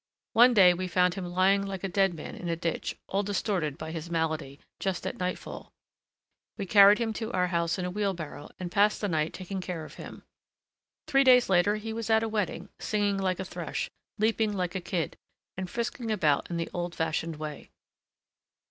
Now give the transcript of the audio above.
One day we found him lying like a dead man in a ditch, all distorted by his malady, just at nightfall. We carried him to our house in a wheelbarrow, and passed the night taking care of him. Three days later, he was at a wedding, singing like a thrush, leaping like a kid, and frisking about in the old fashioned way.